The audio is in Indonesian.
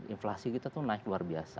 inflasi kita tuh naik luar biasa